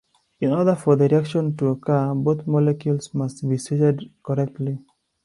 In order for the reaction to occur both molecules must be situated correctly.